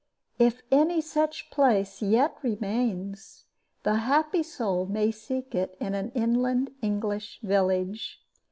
If any such place yet remains, the happy soul may seek it in an inland English village.